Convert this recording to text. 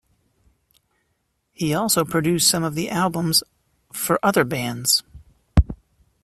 He also produced some of the albums for other bands.